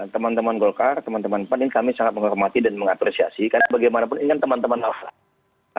teman teman golkar teman teman pan ini kami sangat menghormati dan mengapresiasi karena bagaimanapun ini kan teman teman awal